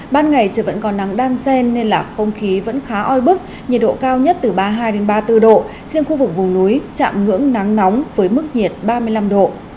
ban ngày trời vẫn còn nắng đan sen nên là không khí vẫn khá oi bức nhiệt độ cao nhất từ ba mươi hai ba mươi bốn độ riêng khu vực vùng núi chạm ngưỡng nắng nóng với mức nhiệt ba mươi năm độ